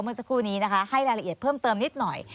เมื่อสักครู่นี้นะคะให้รายละเอียดเพิ่มเติมนิดหน่อย